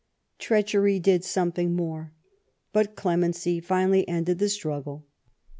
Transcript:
Treachery did something more. But clemency finally ended the struggle.